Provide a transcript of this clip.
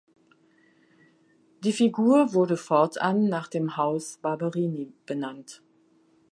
Die Figur wurde fortan nach dem Haus Barberini benannt.